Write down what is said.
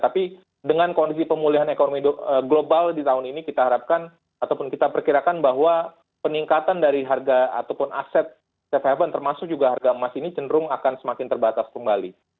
tapi dengan kondisi pemulihan ekonomi global di tahun ini kita harapkan ataupun kita perkirakan bahwa peningkatan dari harga ataupun aset safe haven termasuk juga harga emas ini cenderung akan semakin terbatas kembali